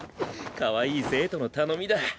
かわいい生徒の頼みだ。